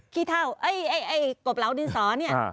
ขี้เท่าเอ้ยไอ้ไอ้กบเหลาดินสอนี่อ่า